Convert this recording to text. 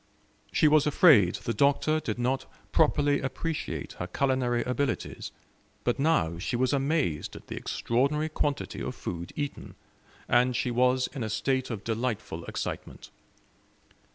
She was afraid the Doctor did not properly appreciate her culinary abilities; but now she was amazed at the extraordinary quantity of food eaten, and she was in a state of delightful excitement.